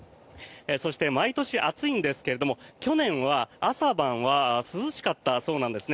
そして、毎年暑いんですが去年は朝晩は涼しかったそうなんです。